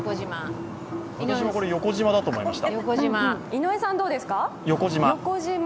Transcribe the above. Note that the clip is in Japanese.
私も横じまだと思いました。